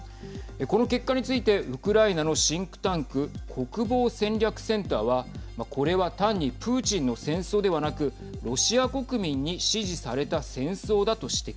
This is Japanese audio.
この結果についてウクライナのシンクタンク国防戦略センターはこれは単にプーチンの戦争ではなくロシア国民に支持された戦争だと指摘。